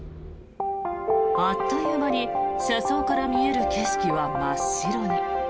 あっという間に車窓から見える景色は真っ白に。